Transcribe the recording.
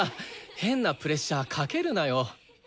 変なプレッシャーかけるなよ。